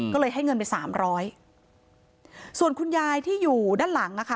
ก็เลยให้เงินไปสามร้อยส่วนคุณยายที่อยู่ด้านหลังนะคะ